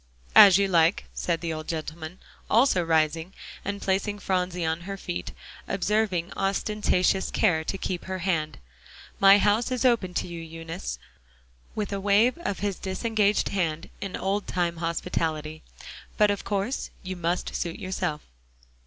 "As you like," said the old gentleman, also rising, and placing Phronsie on her feet, observing ostentatious care to keep her hand. "My house is open to you, Eunice," with a wave of his disengaged hand in old time hospitality, "but of course you must suit yourself."